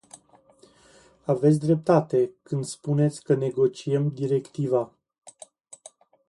Aveți dreptate când spuneți că negociem directiva.